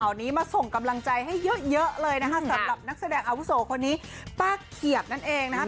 นี้มาส่งกำลังใจให้เยอะเยอะเลยนะคะสำหรับนักแสดงอาวุโสคนนี้ป้าเขียบนั่นเองนะคะ